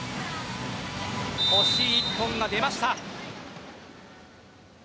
欲しい１本が出ました。